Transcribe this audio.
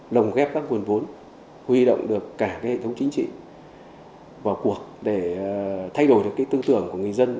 lồng ghép các nguồn vốn huy động được cả cái hệ thống chính trị vào cuộc để thay đổi được tư tưởng của người dân